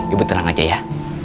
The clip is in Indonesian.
ibu tenang aja ya